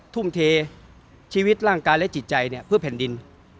ทุ่มเทชีวิตร่างกายและจิตใจเนี่ยเพื่อแผ่นดิน